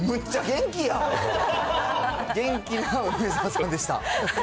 元気な梅沢さんでした。